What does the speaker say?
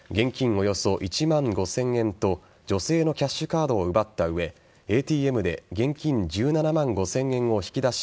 およそ１万５０００円と女性のキャッシュカードを奪った上ＡＴＭで現金１７万５０００円を引き出し